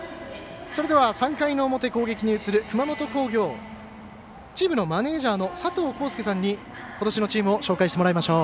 ３回の表、攻撃に移る熊本工業、チームのマネージャーの佐藤公亮さんにことしのチームを紹介してもらいましょう。